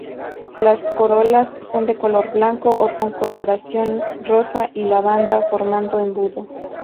Las corolas son de color blanco o con coloración rosa y lavanda, formando embudo.